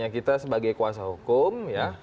kita sebagai kuasa hukum